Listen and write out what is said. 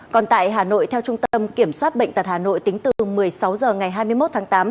còn tại hà nội theo trung tâm kiểm soát bệnh tật hà nội tính từ một mươi sáu h ngày hai mươi một tháng tám